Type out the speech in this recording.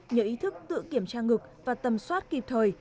nhờ ý thức tự kiểm tra ngực và tầm soát kịp thời